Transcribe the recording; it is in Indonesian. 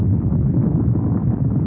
sebelum itu lrtmu dit heut